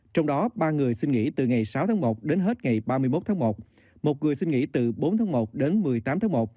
trong đó ba người xin nghỉ từ ngày sáu tháng một đến hết ngày ba mươi một tháng một một người xin nghỉ từ bốn tháng một đến một mươi tám tháng một